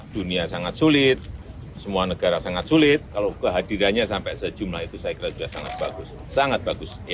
dunia sangat sulit semua negara sangat sulit kalau kehadirannya sampai sejumlah itu saya kira sudah sangat bagus sangat bagus